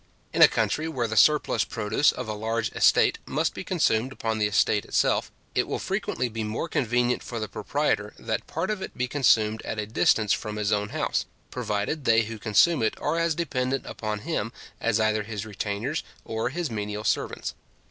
In a country where the surplus produce of a large estate must be consumed upon the estate itself, it will frequently be more convenient for the proprietor, that part of it be consumed at a distance from his own house, provided they who consume it are as dependent upon him as either his retainers or his menial servants.